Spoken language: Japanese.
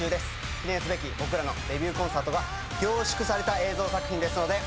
記念すべき僕らのデビューコンサートが凝縮された映像作品ですので。